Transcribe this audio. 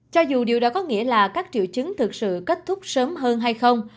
cho dù điều đó có nghĩa là các triệu chứng thực sự kết thúc sớm hơn hay không